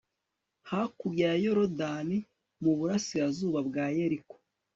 hakurya ya yorudani, mu burasirazuba bwa yeriko